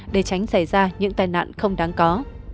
để tránh xảy ra những tai nạn không đáng có